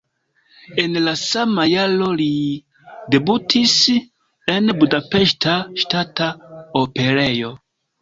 En la sama jaro li debutis en Budapeŝta Ŝtata Operejo.